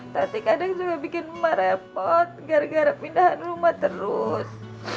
tapi kadang juga bikin emak repot gara gara pindah rumah terus